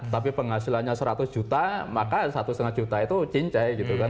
tapi penghasilannya seratus juta maka satu lima juta itu cincai gitu kan